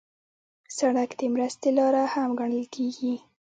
سړک د مرستې لاره هم ګڼل کېږي.